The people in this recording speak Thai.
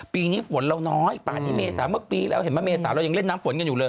ปีนี้ฝนเราน้อยมาทำที่เมษาเมื่อปีเราอย่างเล่นน้ำฝนกันอยู่เลย